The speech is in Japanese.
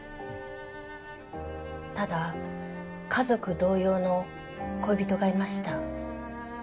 ただ家族同様の恋人がいました。